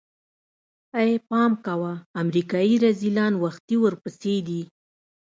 ای پام کوه امريکايي رذيلان وختي ورپسې دي.